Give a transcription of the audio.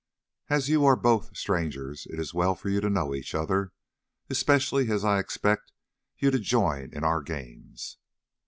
"As you are both strangers, it is well for you to know each other, especially as I expect you to join in our games."